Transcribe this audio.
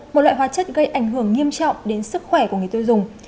một loại hóa chất gây ảnh hưởng nghiêm trọng đến sức khỏe của người tiêu dùng